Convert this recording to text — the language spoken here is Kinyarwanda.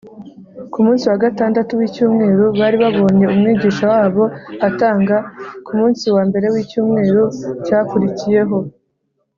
ku munsi wa gatandatu w’icyumweru bari babonye umwigisha wabo atanga; ku munsi wa mbere w’icyumweru cyakurikiyeho,